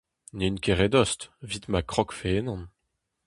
N'in ket re dost, 'vit ma krogfe ennon.